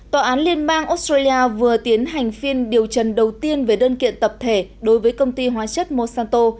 tòa án liên bang australia vừa tiến hành phiên điều trần đầu tiên về đơn kiện tập thể đối với công ty hóa chất mosanto